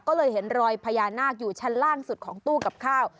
ก็เลยเห็นรอยพญานาคอยู่ชั้นล่างสุดของตู้กับข้าว